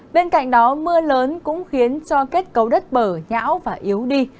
bên cạnh đó mưa lớn cũng khiến cho kết cấu đất bờ nhão và yếu đi